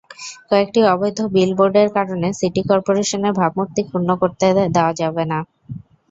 কয়েকটি অবৈধ বিলবোর্ডের কারণে সিটি করপোরেশনের ভাবমূর্তি ক্ষুণ্ন করতে দেওয়া যাবে না।